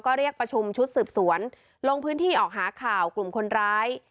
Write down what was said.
ก็เรียกประชุมชุดสืบสวนลงพื้นที่ออกหาข่าวกลุ่มคนร้าย